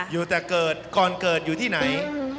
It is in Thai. อยู่แต่เกิดก่อนเกิดอยู่ที่ไหน